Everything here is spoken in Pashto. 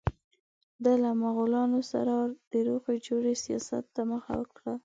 ده له مغولانو سره د روغې جوړې سیاست ته مخه کړه.